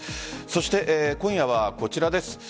そして今夜はこちらです。